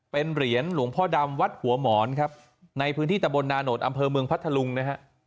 เป็นเหรียญหลวงพ่อดำวัดหัวหมอนครับในพื้นที่ตะบนนาโนตอำเภอเมืองพัทธลุงนะฮะ